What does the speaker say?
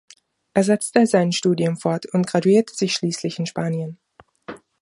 Er setzte sein Studium fort und graduierte sich schließlich in Spanien.